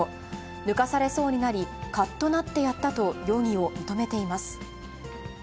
抜かされそうになり、かっとなってやったと、容疑を認めています。